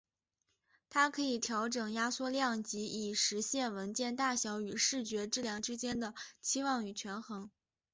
它可以调整压缩量级以实现文件大小与视觉质量之间的期望与权衡。